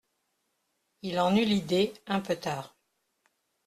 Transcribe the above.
Il en eut l'idée, un peu tard.